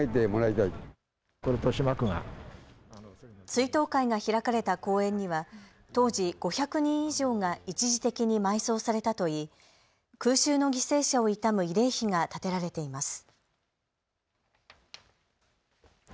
追悼会が開かれた公園には当時、５００人以上が一時的に埋葬されたといい空襲の犠牲者を悼む慰霊碑が建てられています。